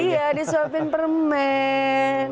iya disuapin permen